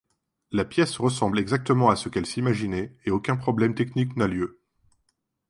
La pièce ressemble exactement à ce qu'elle s’imaginait, et aucun problème technique n'a lieu.